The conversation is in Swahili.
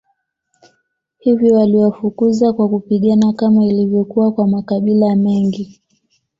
Hivyo waliwafukuza kwa kupigana kama ilivyokuwa kwa makabila mengi